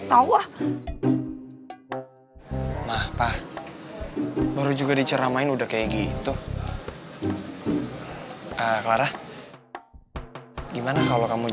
salamualaikum warahmatullahi wabarakatuh